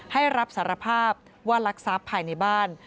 ให้รับสารภาพว่ารักทรัพย์ภายในบ้าน